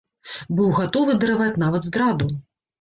Быў гатовы дараваць нават здраду.